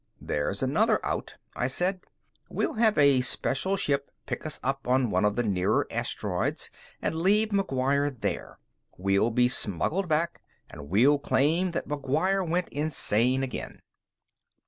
"There's another out," I said. "We'll have a special ship pick us up on one of the nearer asteroids and leave McGuire there. We'll be smuggled back, and we'll claim that McGuire went insane again."